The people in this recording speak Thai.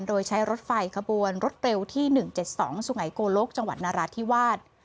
โดยใช้รถไฟขบวนรถเร็วที่๑๗๒สุไงโกลกจังหวัดนราธิวาส